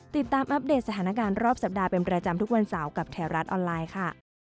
อัปเดตสถานการณ์รอบสัปดาห์เป็นประจำทุกวันเสาร์กับแถวรัฐออนไลน์ค่ะ